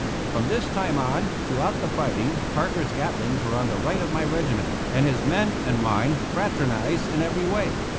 From this time on, throughout the fighting, Parker's Gatlings were on the right of my regiment, and his men and mine fraternized in every way.